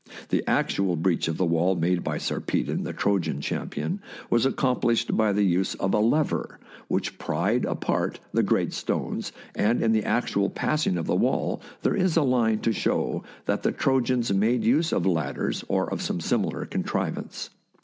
The actual breach of the wall made by Sarpedon, the Trojan champion, was accomplished by the use of a lever, which pried apart the great stones, and in the actual passing of the wall there is a line to THE SIEGE OF TROY show that the Trojans made use of ladders, or of some similar contrivance.